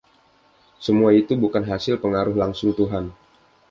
Semua itu bukan hasil pengaruh langsung Tuhan.